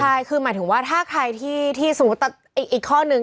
ใช่คือหมายถึงว่าถ้าใครที่สมมุติอีกข้อนึง